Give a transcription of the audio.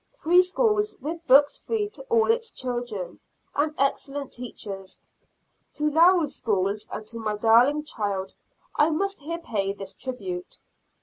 Free schools, with books free to all its children, and excellent teachers. To Lowell schools and to my darling child, I must here pay this tribute.